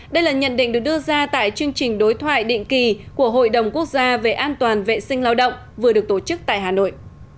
đây là nhận định được đưa ra tại chương trình đối thoại định kỳ của hội đồng quốc gia về an toàn vệ sinh lao động vừa được tổ chức tại hà nội